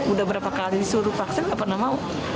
udah berapa kali disuruh vaksin nggak pernah mau